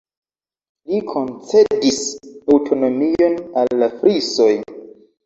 Li koncedis aŭtonomion al la Frisoj.